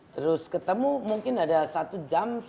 terus ketemu mungkin ada satu jam